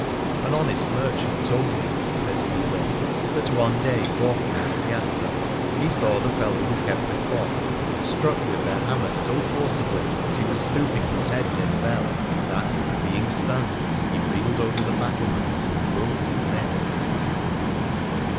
" An honest merchant told me," says Evelyn, " that one day walking in the Piazza he saw the fellow who kept the clock struck with their hammer so forceably as he was stooping his head neare the bell that, being stunned, he reeled over the battlements and broke his neck."